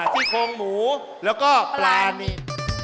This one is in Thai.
ซี่โครงหมูแล้วก็ปลานิน